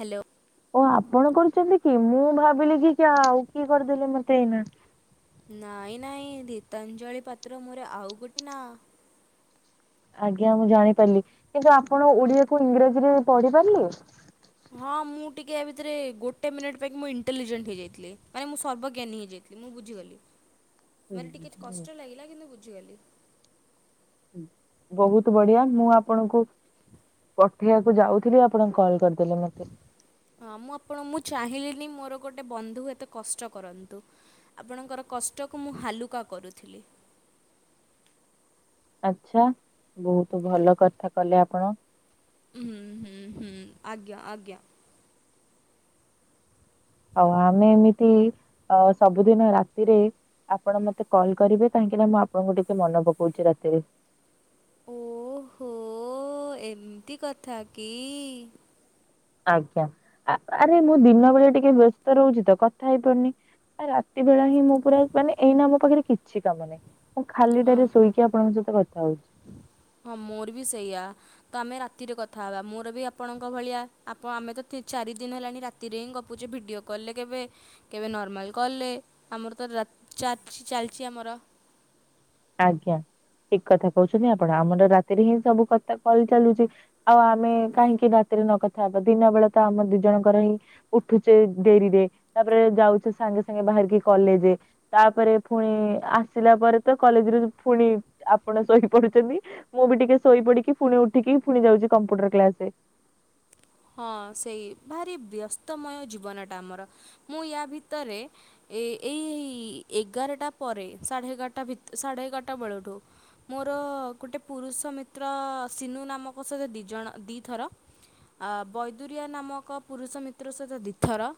Hello ଓ ଆପଣ କରୁଛନ୍ତି କି ମୁଁ ଭାବିଲି କି କି ଆଉ କିଏ କରିଦେଲେ ମତେ ଏଇନା ନାଇଁ ନାଇଁ ଧୀତାଞ୍ଜଳି ପାତ୍ର ମୋର ଆଉ ଗୋଟେ ନା ଆଜ୍ଞା ମୁଁ ଜାଣି ପାରିଲି କିନ୍ତୁ ଆପଣ ଓଡିଆକୁ ଇଂରାଜୀରେ ପଢି ପାରିଲେ ହଁ ମୁଁ ଟିକେ ଏ ଭିତରେ ଗୋଟେ ମିନିଟ୍ ପାଇଁକି ମୁଁ ଇଣ୍ଟେଲିଜେଣ୍ଟ ହେଇଯାଇଥିଲ ମାନେ ମୁଁ ସର୍ବଜ୍ଞାନୀ ହେଇଯାଇଥିଲି ମୁଁ ବୁଝିଗଲି ତୁମର ଟିକେ କଷ୍ଟ ଲାଗିଲା କିନ୍ତୁ ବୁଝିଗଲି ବହୁତ ବଢିଆ ମୁଁ ଆପଣଙ୍କୁ [inaudible] ପଠେଇଆକୁ ଯାଉଥିଲି ଆପଣଙ୍କୁ କଲ୍ କରିଦେଲେ ମତେ ହଁ ମୁଁ ଆପଣ ମୁଁ ଚାହିଁଲିିନି ମୋର ଗୋଟେ ବନ୍ଧୁ ଏତେ କଷ୍ଟ କରନ୍ତୁ ଆପଣଙ୍କର କଷ୍ଟକୁ ମୁଁ ହାଲୁକା କରୁଥିଲି ଆଛା ବହୁତ ଭଲ କଥା କଲେ ଆପଣ ହୁ ହୁଁ ହୁଁ ଆଜ୍ଞା ଆଜ୍ଞା ହଉ ଆମେ ଏମିତି ଅ ସବୁଦିନ ରାତିରେ ଆପଣ ମତେ କଲ୍ କରିବେ କାହିଁକି ନା ମୁଁ ଆପଣଙ୍କୁ ଟିକେ ମନେ ପକଉଛି ରାତିରେ ଓହୋ ଏମିତି କଥା କି ଆଜ୍ଞା ଆ ଆରେ ମୁଁ ଦିନ ବଳିଆ ଟିକେ ବ୍ୟସ୍ତ ରହୁଛି ତ କଥା ହେଇପାରୁନି ଆ ରାତି ବେଳା ହିଁ ମୁଁ ପୁରା ମାନେ ଏଇନା ମୋ ପାଖରେ କିଛି କାମ ନାହିଁ ମୁଁ ଖାଲି ଟାରେ ହଁ ଶୋଇକି ଆପଣଙ୍କ ସହିତ କଥା ହଉଛି ହଁ ମୋର ବି ସେଇଆ ତ ଆମେ ରାତିରେ କଥା ହବା ମୋର ବି ଆପଣଙ୍କ ଭଳିଆ ଆପ ଆମେ ତ ଠିକ୍ ଚାରି ଦିନ ହେଲାଣି ରାତି ତିରେ ହିଁ ଗପୁଛେ ଭିଡ଼ିଓ କଲେ କେବେ କେବେ ନର୍ମାଲ କଲେ ଆମର ତ ରାଆ ଚାଲି ଚାଲିଛି ଆମର ଆଜ୍ଞା ଠିକ କଥା କହୁଛନ୍ତି ଆପଣ ଆମର ରାତିରେ ହିଁ ସବୁ କଥା କହିଚଲୁଛି ଆଉ ଆମେ କାହିଁକି ରାତିରେ ନକଥା ହବା ଦିନ ବେଳେ ତ ଆମ ଦି ଜଣଙ୍କର ହିଁ ଉଠୁଛେ ଡେରିରେ ତାପରେ ଯାଉଛେ ସାଙ୍ଗେ ସାଙ୍ଗେ ବାହାରିକି କଲେଜେ ତାପରେ ଫୁଣି ଆସିଲା ପରେ ତ କଲେଜ ରୁ ଫୁଣି ଆପଣ ଶୋଇପଡୁଛନ୍ତି ମୁଁ ବି ଟିକେ ଶୋଇ ପଡିକି ଫୁଣି ଉଠିକି ଫୁଣି ଯାଉଛି କମ୍ପ୍ୟୁଟର କ୍ଲାସ ରେ ହଁ ସେଇ ଭାରି ବ୍ୟସ୍ତମୟ ଜୀବନଟା ଆମର ମୁଁ ୟା ଭିତରେ ଏ ଏଇଇ ଏଗାରଟା ପରେ ସାଢେ ଏଗାରଟା ଭିତ ସାଢେ ଏଗାରଟା ବେଳଠୁ ମୋର ଗୋଟେ ପୁରୁଷ ମିତ୍ର ସିନୁ ନାମକ ସହିତ ଦିଜଣ ଦିଥର ଆ ବୈଦୁରିଆ ନାମକ ପୁରୁଷ ମିତ୍ର ସହିତ ଦିଥର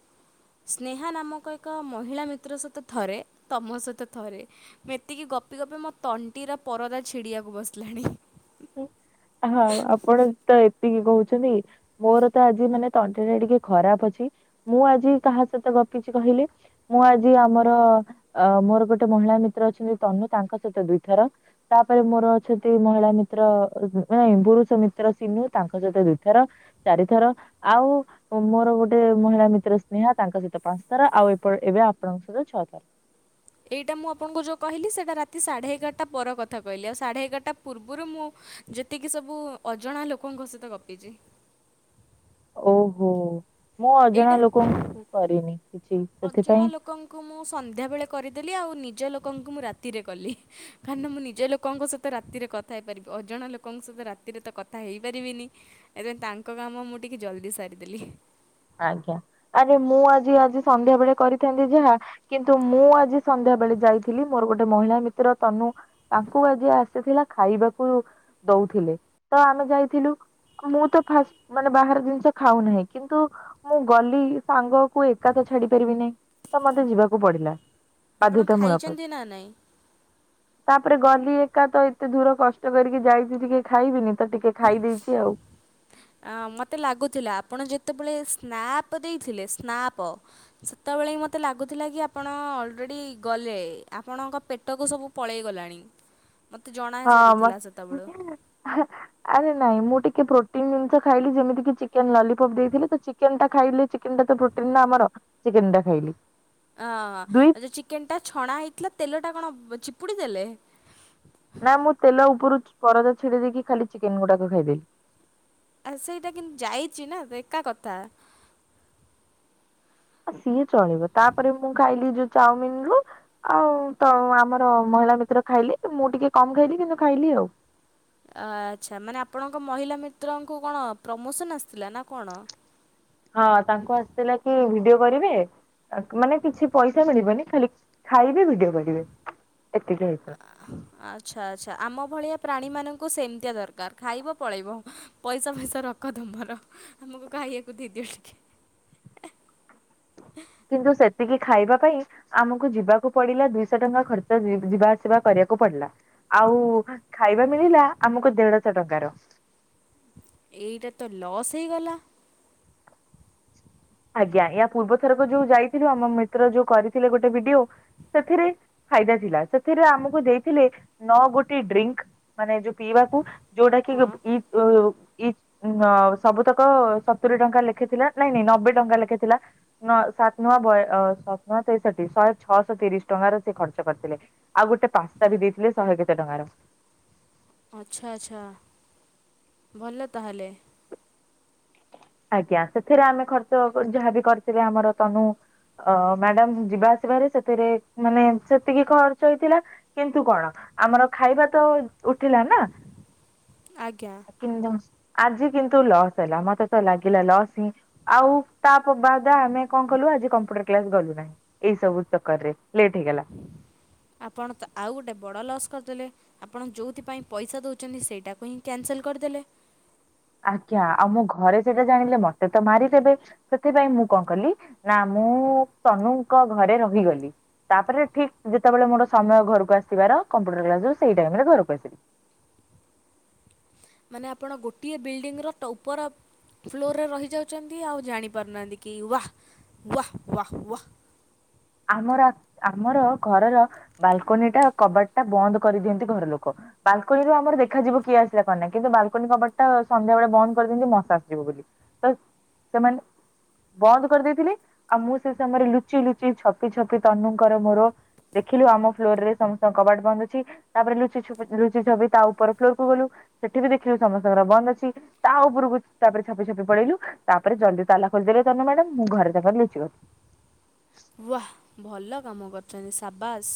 ସ୍ନେହା ନାମକ ଏକ ମହିଳା ମିତ୍ର ସହିତ ଥରେ ତମ ସହିତ ଥରେ ଏତିକି ଗପି ଗପି ମୋ ତଣ୍ଟିର ପରଦା ଛିଡିବାକୁ ବସିଲାଣି ହଁ ଆପଣ ତ ଏତିକି କହୁଛନ୍ତି ମୋର ତ ଆଜି ମାନେ ତଣ୍ଟିଟା ଟିକେ ଖରାପ ଅଛି ମୁଁ ଆଜି କାହା ସହିତ ଗପିଛି କହିଲେ? ମୁଁ ଆଜି ଆମର ଅ ମୋର ଗୋଟେ ମହିଳା ମିତ୍ର ଅଛନ୍ତି ତନୁ ତାଙ୍କ ସହିତ ଦୁଇଥର ତାପରେ ମୋର ଅଛନ୍ତି ମହିଳା ମି ତ୍ର ମାନେ ପୁରୁଷ ମିତ୍ର ସିନୁ ତାଙ୍କ ସହିତ ଦୁଇଥର ଚାରିଥର ଆଉ ମୋର ଗୋଟେ ମହିଳା ମିତ୍ର ସ୍ନେହଁ, ତାଙ୍କ ସହିତ ପାଞ୍ଚ ଥର ଆଉ ଏପଟ ଏବେ ଆପଣଙ୍କ ସହିତ ଛଅ ଥର। ଏଇଟା ମୁଁ ଆପଣଙ୍କୁ ଯଉ କହିଲି ସେଟା ରାତି ସାଢ଼େ ଏଗାରଟା ପର କଥା କହିଲି ଆଉ ସାଢ଼େ ଏଗାରଟା ପୂର୍ବରୁ ମୁଁ ଯେତିକି ସବୁ ଅଜଣା ଲୋକଙ୍କ ସହିତ ଗପିଛି। ଓହୋ ମୁଁ ଏଇଟା ଅଜଣା ଲୋକଙ୍କୁ କରିନି କିଛି। ଅଜଣା ସେଥିପାଇଁ ଲୋକଙ୍କ କୁ ମୁଁ ସନ୍ଧ୍ୟାବେଳେ କରିଦେଲି ଆଉ ନିଜ ଲୋକଙ୍କୁ ମୁଁ ରାତିରେ କଲି କାହିଁକିନା ମୁଁ ନିଜ ଲୋକଙ୍କ ସ ତ ରାତିରେ କଥା ହେଇପାରିବି ଅଜଣା ଲୋକଙ୍କ ସହିତ ରାତିରେ ତ କଥା ହେଇପାରିବିନି। ଏତିପାଇଁ ତାଙ୍କ କାମ ମୁଁ ଟିକେ ଜଲ୍ଦି ସାରିଦେଲି। ଆଜ୍ଞା ଆରେ ମୁଁ ଆଜି ଆଜି ସନ୍ଧ୍ୟା ବେଳେ କରିଥାନ୍ତି ଯାହା କିନ୍ତୁ ମୁଁ ଆଜି ସନ୍ଧ୍ୟା ବେଳେ ଯାଇଥିଲି ମୋର ଗୋଟେ ମହିଳା ମିତ୍ର ତନୁ ତାଙ୍କୁ ଆଜି ସେ ଥିଲା ଖାଇବାକୁ ଦଉଥିଲେ ତ ଆମେ ଯାଇଥିଲୁ। ମୁଁ ତ ଫାଷ୍ଟ ମାନେ ବାହାର ଜିନିଷ ଖାଉ ନାହିଁ କିନ୍ତୁ ମୁଁ ଗଲି ସାଙ୍ଗକୁ ଏକା ତ ଛାଡି ପାରିବି ନାହିଁ ତ ମତେ ଯିବାକୁ ପଡିଲା। ଆପଣ ବାଧ୍ୟତା ମୁଳଫତ। ଖାଇଛନ୍ତି ନା ନାହିଁ ତାପରେ ଗଲି ଏକା ତ ଏତେ ଦୂର କଷ୍ଟ କରିକି ଯାଇଛି ଟିକେ ଖାଇବିନି ତ ଟିକେ ଖାଇ ଦେଇଛି ଆଉ। ଅ ମତେ ଲାଗୁଥିଲା ଆପଣ ଯେତେବେଳେ ସ୍ନାପ ଦେଇଥିଲେ ସ୍ନାପ ସେତେବେଳେ ମୋତେ ଲାଗୁଥିଲା କି ଆପଣ ଅଲରେଡ଼ି ଗଲେ ଆପଣଙ୍କ ପେଟକୁ ସବୁ ପଳେଇ ଗଲାଣି। ମତେ ଜଣା ହଁ ସରିଥିଲା ସେତେବେଳୁ। ମତେ ଆରେ ନାଇଁ ମୁଁ ଟିକେ ପ୍ରୋଟିନ ଜିନିଷ ଖାଇଲି ଯେମିତି କି ଚି ଚିକେନ ଲଲିପପ ଦେଇଥିଲେ ତ ଚିକେନ ଟା ଖାଇଲି ଚିକେନ୍ ଟା ତ ପ୍ରୋଟିନ ନା ଆମରଚିକେନ ଟା ଖାଇଲି। ଦୁଇ ଆଁ ଯଉ ଚିକେନଟା ଛଣା ହେଇଥିଲା ତେଲଟା କଣ ଚିପୁଡ଼ି ଦେଲେ? ନା ମୁଁ ତେଲ ଉପରୁ ପରଦା ଛିଡେଇ ଦେଇକି ଖାଲି ଚିକେନ ଗୁଡାକ ଖାଇଦେଲି। ଆ ସେଇଟା କିନ୍ତୁ ଯାଇଛି ନା ଏକା କଥା। ଆ ସିଏ ଚଳିବ ତାପରେ ମୁଁ ଖାଇଲି ଯୋଉ ଚାଉମିନ ରୁ ଆଉ ତ ଆମର ମହିଳା ମିତ୍ର ଖାଇଲେ ମୁଁ ଟିକେ କମ ଖାଇଲି କିନ୍ତୁ ଖାଇଲି ଆଉ। ଆଚ୍ଛା ମାନେ ଆପଣଙ୍କ ମହିଳା ମିତ୍ରଙ୍କୁ କଣ ପ୍ରମୋସନ୍ ଆସିଥିଲା ନା କଣ? ହଁ ତାଙ୍କୁ ଆସିଥିଲା କି ଭିଡିଓ କରିବେ ମାନେ କିଛି ପଇସା ମିଳିବନି ଖାଲି ଖାଇବେ ଭିଡିଓ କରି ଏତିକି ହେଇଥିଲା। ଆଚ୍ଛା ଆଚ୍ଛା ଆମ ଭଳିଆ ପ୍ରାଣୀ ମାନଙ୍କୁ ସେମିତିଆ ଦରକାର ଖାଇବ ପଳେଇବ। ପଇସା ଫଇସା ରଖ ତୁମର ଆମକୁ ଖାଇବାକୁ ଦେଇଦିଅ ଟିକେ। କିନ୍ତୁ ସେତିକି ଖାଇବା ପାଇଁ ଆମକୁ ଯିବାକୁ ପଡିଲା ଦୁଇଶହ ଟଙ୍କା ଖର୍ଚ୍ଚ ଯିବା ଆସିବା କରିବାକୁ ପଡିଲା। ଆଉ ଖାଇବା ମିଳିଲା ଆମକୁ ଦେଢଶହ ଟଙ୍କାର। ଏଇଟା ତ ଲସ୍ ହେଇଗଲା। ଆଜ୍ଞା ୟା ପୂର୍ବଥରକ ଯୋଉ ଯାଇଥିଲୁ ଆମ ମିତ୍ର ଯୋଉ କରିଥିଲେ ଗୋଟେ ଭିଡିଓ ସେଥିରେ ଫାଇଦା ଥିଲା ସେଥିରେ ଆମକୁ ଦେଇଥିଲେ ନଅ ଗୋଟି ଡ୍ରିଙ୍କ ମାନେ ଯୋଉ ପିଇବାକୁ। ଯଉଟା ହଁ କିଇ [unintelligible] ସବୁତକ ସତୁରି ଟଙ୍କା ଲେଖେଥିଲା ନାଇଁ ନାଇଁ ନବେ ଟଙ୍କା ଲେଖାଏ ଥିଲା। ନ ସାତ ନୂଆ ବୟ ସାତ ନୂଆ ତେଷଠି ଶହେ ଛଅଶହ ତିରିଶ ଟଙ୍କାର ସେ ଖର୍ଚ୍ଚ କରିଥିଲେ। ଆଉ ଗୋଟେ ପାସ୍ତା ବି ଦେଇଥିଲେ ଶହେ କେତେ ଟଙ୍କାର। ଆଚ୍ଛା ଆଚ୍ଛା ଭଲ ତାହେଲେ। ଆଜ୍ଞା ସେଥିରେ ଆମେ ଖର୍ଚ୍ଚ ଯାହାବି କରିିଥିଲେ ଆମର ତନୁ ଅ ମ୍ୟାଡାମ ଯିବା ଆସିବାରେ ସେଥିରେ ମାନେ ସେତିକି ଖର୍ଚ୍ଚ ହେଇଥିଲା। କିନ୍ତୁ କଣ ଆମର ଖାଇବା ତ ଉଠିଲା ନା। ଆଜ୍ଞା। କିନ୍ତୁ ଆଜି କିନ୍ତୁ ଲସ୍ ହେଲା ମତେ ତ ଲାଗିଲା ଲସ୍ ହିଁ ଆଉ ତା ବାଦ ଆମେ କଣ କଲୁ ଆଜି କମ୍ପ୍ୟୁଟର କ୍ଲାସ ଗଲୁ ନାହିଁ। ଏଇ ସବୁ ଚକର ରେ ଲେଟ୍ ହେଇଗଲା। ଆପଣ ତ ଆଉ ଗୋଟେ ବଡ ଲସ୍ କରିଦେଲେ। ଆପଣ ଯୋଉଥିପାଇଁ ପଇସା ଦଉଛନ୍ତି ସେଇଟାକୁ ହିଁ କ୍ୟାନସେଲ୍ କରିଦେଲେ। ଆଜ୍ଞା ଆଉ ମୋ ଘରେ ସେଟା ଜାଣିଲେ ମତେ ତ ମାରିଦେବେ। ସେଥିପାଇଁ ମୁଁ କଅଁ କଲି ନା ମୁଁ ତନୁଙ୍କ ଘରେ ରହିଗଲି। ତାପରେ ଠିକ୍ ଯେତେବେଳେ ମୋର ସମୟ ଘରକୁ ଆସିବାର କମ୍ପ୍ୟୁଟର କ୍ଲାସ ରୁ ସେଇ ଟାଇମ ରେ ଘରକୁ ଆସିଲି। ମାନେ ଆପଣ ଗୋଟିଏ ବିଲ୍ଡିଂର ଟଉପର ଫ୍ଲୋରରେ ରହିଯାଉଛନ୍ତି ଆଉ ଜାଣିପାରୁନାହାନ୍ତି କି ୱାହ ୱାହ ୱାହ ୱାହ। ଆମର ଆମର ଘରର ବାଲକୁନି ଟା କବାଟ ଟା ବନ୍ଦ କରିଦିଅନ୍ତି ଘର ଲୋକ। ବାଲକୁନିରୁ ଆମର ଦେଖାଯିବ କିଏ ଆସିଲା କଣ ନାଇ କିନ୍ତୁ ବାଲକୁନି କବାଟ ଟା ସନ୍ଧ୍ୟାବେଳେ ବନ୍ଦ କରିଦିଅନ୍ତି ମଶା ଆସିଯିବ ବୋଲି। ତ ସେମାନେ ବନ୍ଦ କରିଦେଇଥିଲେ ଆଉ ମୁଁ ସେ ସମୟରେ ଲୁଚି ଲୁ ଚି ଛପି ଛପି ତନୁଙ୍କର ମୋର ଦେଖିଲୁ ଆମ ଫ୍ଲୋର ରେ ସମସ୍ତଙ୍କ କବାଟ ବନ୍ଦ ଅଛି। ତାପରେ ଲୁଚି ଛପି ଲୁଚି ଛପି ତା ଉପର ଫ୍ଲୋର କୁ ଗଲୁ ସେଠି ବି ଦେଖିଲୁ ସମସ୍ତଙ୍କର ବନ୍ଦ ଅଛି। ତା ଉପରକୁ ତାପରେ ଛପି ଛପି ପଳେଇଲୁ ତାପରେ ଜଲ୍ଦି ତାଲା ଖୋଲିଦେଲେ ତନୁ ମ୍ୟାଡାମ ମୁଁ ଘରେ ତାଙ୍କର ଲୁଚି ଗଲି। ୱା ଭଲ କାମ କରୁଚ଼ନ୍ତି ସାବାସ୍।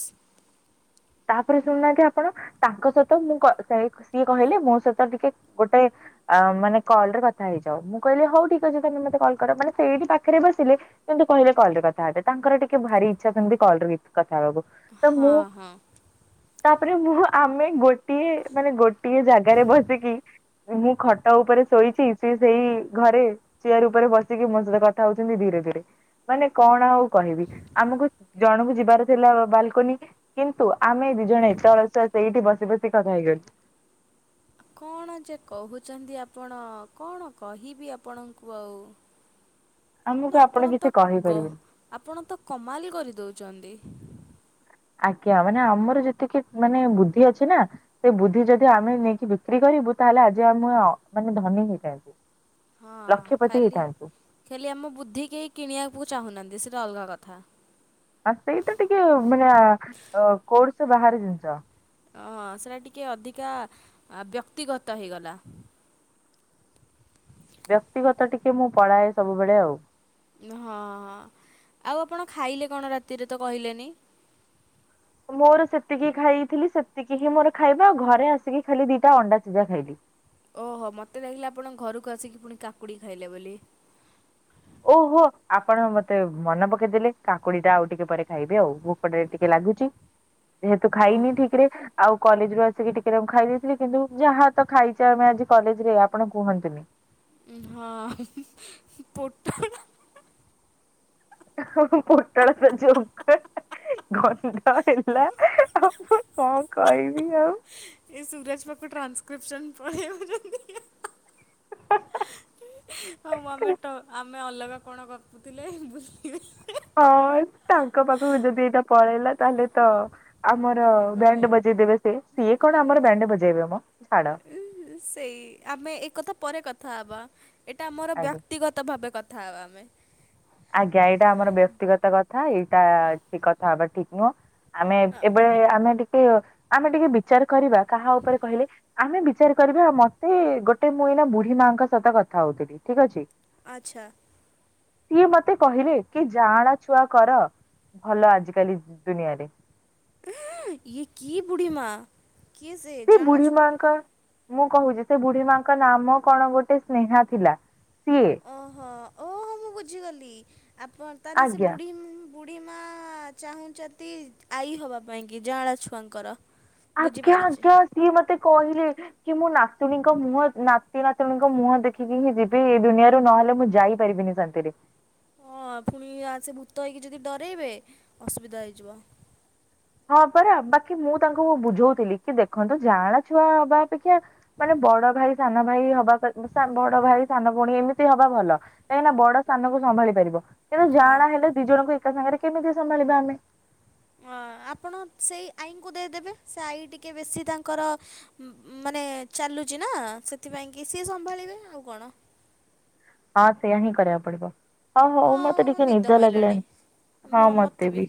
ତାପରେ ଶୁଣୁନାହାନ୍ତି ଆପଣ ତାଙ୍କ ସହିତ ମୁଁ ସିଏ କହିଲେ ମୋ ସହିତ ଟିକେ ଗୋଟେ ଅ ମାନେ କଲରେ କଥା ହେଇଯାଅ ମୁଁ କହିଲି ହଉ ଠିକ୍ ଅଛି ତମେ ମତେ କଲ୍ କର ମାନେ ସେଇଠି ପାଖରେ ବସିଲେ। କିନ୍ତୁ କହିଲେ କଲ ରେ କଥା ହେବେ ତାଙ୍କର ଟିକେ ଭାରି ଇଚ୍ଛା ସେମିତି କଲରେ କଥା ହେବାକୁ ତ ହଁ ମୁଁ ହଁ ତାପରେ ମୁ ଆମେ ଗୋଟିଏ ମାନେ ଗୋଟିଏ ଜାଗାରେ ବସିକି ମୁଁ ଖଟ ଉପରେ ଶୋଇଚି ସେ ସେଇ ଘରେ ଚେୟାର ଉପରେ ବସିକି ମୋ ସହିତ କଥା ହଉଛନ୍ତି ଧୀରେ ଧୀରେ। ମାନେ କଣ ଆଉ କହିବି ଆମକୁ ଜଣକୁ ଯିବାର ଥିଲା ବାଲକୁନି। କିନ୍ତୁ ଆମେ ଦି ଜଣ ଏତେ ଅଳସୁଆ ସେଇଠି ବସି ବସି କଥା ହେଇଗଲୁ। କଣ ଯେ କହୁଛନ୍ତି ଆପଣ କଣ କହିବି ଆପଣଙ୍କୁ ଆଉ ଆମକୁ ନା ଆପଣ କିଛି ତ ଗ କହିପାରିବେନି। ଆପଣ ତ କମାଲ ହି କରିଦଉଚନ୍ତି। ଆଜ୍ଞା ମାନେ ଆମର ଯେତିକି ମାନେ ବୁଦ୍ଧି ଅଛି ନା ସେ ବୁଦ୍ଧି ଯଦି ଆମେ ନେଇକି ବିକ୍ରି କରିବୁ ତାହେଲେ ଆଜି ଆମ ମାନେ ଧନୀ ହେଇଥାନ୍ତୁ। ହଁ ଲକ୍ଷପତି ଖାଲି ହେଇଥାନ୍ତୁ। ଖାଲି ଆମ ବୁଦ୍ଧି କେହି କିଣିବାକୁ ଚାହୁଁନାହାନ୍ତି ସେଇଟା ଅଲଗା କଥା। ଆ ସେଇ ତ ଟିକେ ମାନେ କୋଡଶ ବାହରେ ଜିନିଷ। ହଁ ସେଇଟା ଟିକେ ଅଧିକା ବ୍ୟକ୍ତିଗତ ହେଇଗଲା। ବ୍ୟକ୍ତିଗତ ଟିକେ ମୁଁ ପଳାଏ ସବୁବେଳେ ଆଉ ହଁ ଆଉ ଆପଣ ଖାଇଲେ କଣ ରାତିରେ ତ କହିଲେନି। ମୋର ସେତିକି ଖାଇଥିଲି ସେତିକି ହିଁ ମୋର ଖାଇବା ଆଉ ଘରେ ଆସିକି ଖାଲି ଦିଟା ଅଣ୍ଡା ସିଜା ଖାଇଲି। ଓହୋ ମୋତେ ଲାଗିଲା ଆପଣ ଘରକୁ ଆସିକି ପୁଣି କାକୁଡି ଖାଇଲେ ବୋଲି। ଓହୋ ଆପଣ ମତେ ମନେ ପକେଇଦେଲେ କାକୁଡି ଟା ଆଉ ଟିକେ ପରେ ଖାଇବେ ଆଉ ପଟରେ ଟିକେ ଲାଗୁଛି ଯେହେତୁ ହଁ ଖାଇନି ଠିକ ରେ ଆଉ କଲେଜ ରୁ ଆସିକି ଟିକେ ଖାଇ ଦେଇେଇଥିଲି କିନ୍ତୁ ଯାହା ତ ଖାଇଚେ ଆମେ ଆଜି କଲେଜ ରେ ଆପଣ କୁହନ୍ତୁନି। ହଁ ପୋଟଳ ପଟଳଛି [unintelligible] ଗନ୍ଧ ହେଲା ଆଉ ମୁ କଣ କହିବି ଆଉ ଏ ସୂୁରଜ ପାଖୁ ଟ୍ରାସକ୍ରିପସନ୍ ପଳେଇ ଆଉଚନ୍ତି। [unintelligible] ମମେ ତ ଆମେ ଆମେ ଅଲଗା କଣ କରପୁଥିଲେ ବୁଲିଚାଲି। ହଁ ତାଙ୍କ ପାଖକୁ ଯଦି ଏଇଟା ପଳେଇଲା ତାହେଲେ ତ ଆମର ବ୍ୟାଣ୍ଡ ବଜେଇଦେବେ ସେ ସିଏ କଣ ଆମର ବ୍ୟାଣ୍ଡ ବଜେଇବେ ମ ସଡ। ସେଇ ଆମେ ଏକଥା ପରେ କଥା ହବା ଏଟା ଆମର ଆଜ୍ଞା ବ୍ୟକ୍ତିଗତ ଭାବେ କ ଥା ଆମେ ଆଜ୍ଞା ଏଇଟା ଆମର ବ୍ୟକ୍ତିଗତ କଥା ଏଇଟା କଥା ହବା ଠିକ୍‌ ନୁହଁ। ଆମେ ହଁ ଏବେ ଆମେ ଟିକେ ଆମେ ଟିକେ ବିଚାର କରିବା କାହା ଉପରେ କହିଲେ? ଆମେ ବିଚାର କରିବା ମତେ ଗୋଟେ ମୁଇନା ବୁଢୀ ମାଙ୍କ ସହିତ କଥା ହଉଥିଲି ଠିକ୍ ଅଛି। ଆଚ୍ଛା। ସିଏ ମତେ କହିଲେ କି ଜାଆଁଳା ଛୁଆ କର ଭଲ ଆଜିକାଲି ଦୁନିଆରେ। ଇଏ କି ବୁଢ଼ୀ ମା। କିଏ ସେ ଜାଆଁଳ ବୁଢ଼ୀ ଛୁଆ ମାଙ୍କ ମୁଁ କହୁଛି ସେ ବୁଢୀ ମାଙ୍କ ନାମ କଣ ଗୋଟେ ସ୍ନେହା ଥିଲା ସିଏ ଓହୋ ଓହୋ ମୁଁ ବୁଝିଗଲି ଆପଣ ତାହେଲେ ସେ ଆଜ୍ଞା ବୁଢ଼ୀ ବୁଢ଼ୀ ମା ଚାହୁଁଛନ୍ତି ଆଈ ହେବା ପାଇଁ କିି ଜାଆଁଳା ଛୁଆଙ୍କର ଆଜ୍ଞା ବୁଝିପାରୁଛି। ଆଜ୍ଞା ସିଏ ମତେ କହିଲେ। କି ମୁଁ ନାତୁଣୀଙ୍କ ମୁହଁ ନାତି ନାତୁଣୀଙ୍କ ମୁହଁ ଦେଖିକି ହିଁ ଯିବି ଏଇ ଦୁନିଆରୁ ନହଲେ ମୁଁ ଯାଇପାରିବିନି। [inaudible] ହଁ ଫୁଣି ଆସି ଭୂତ ହୋଇକି ଯଦି ଡରେଇବେ ଅସୁବିଧା ହେଇଯିବ। ହଁ ପରା ବାକି ମୁଁ ତାଙ୍କୁ ବୁଝଉଥିଲି କି ଦେଖନ୍ତୁ ଜାଆଁଳା ଛୁଆ ହବା ଅପେକ୍ଷା ମାନେ ବଡ ଭାଇ ସାନ ଭାଇ ହ ବଡ ଭାଇ ସାନ ପୁଣି ଏମିତି ହବା ଭଲ କାହିଁକିନା ବଡ ସାନକୁ ସମ୍ଭାଳି ପାରିବ। କିନ୍ତୁ ହଁ। ଜାଆଁଳା ହେଲେ ଦି ଜଣଙ୍କୁ ଏକା ସାଙ୍ଗରେ କେମିତି ସମ୍ଭାଳିବା ଆମେ? ଅ ଆପ ଆପଣ ସେଇ ଆଇଙ୍କୁ ଦେଇଦେବେ ସେ ଆଈ ଟିକେ ବେଶୀ ତାଙ୍କର ମା ମା ମାନେ ଚାଲୁଛି ନା ସେଥିପାଇଁ କି ସିଏ ସମ୍ଭାଳିବେ ଆଉ କଣ? ହଁ ସେୟା ହିଁ କରିବାକୁ ପଡିବ। ହଁ ହଉ ମତେ ହଁ ଟିକେ ନିଦ ମାଇଲାଣି। ଲାଗିଲଣିି ମ ହଁ ମୋତେ ମତେ ବି।